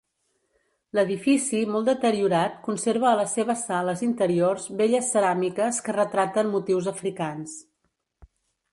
L'edifici molt deteriorat conserva a les seves sales interiors belles ceràmiques que retraten motius africans.